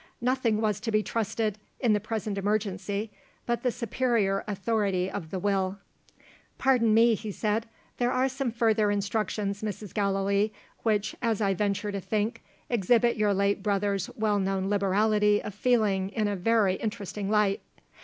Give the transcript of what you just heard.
Nothing was to be trusted, in the present emergency, but the superior authority of the Will. "Pardon me," he said; "there are some further instructions, Mrs. Gallilee, which, as I venture to think, exhibit your late brother's well known liberality of feeling in a very interesting light.